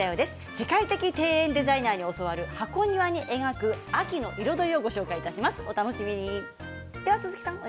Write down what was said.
世界的庭園デザイナーに教わる箱庭に描く秋の彩りをご紹介します。